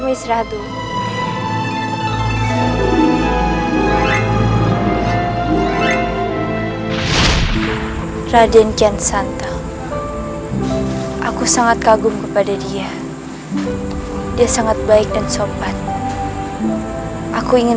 terserah dulu raden kian santel aku sangat kagum kepada dia dia sangat baik dan sobat aku ingin